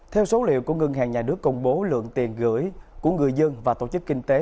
theo số liệu của ngân hàng nhà nước công bố lượng tiền gửi của người dân và tổ chức kinh tế